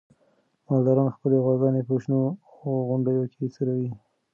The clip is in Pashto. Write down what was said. مالداران خپلې غواګانې په شنو غونډیو کې څروي.